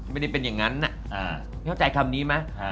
ไม่ได้เป็นอย่างนั้นเข้าใจคำนี้ไหม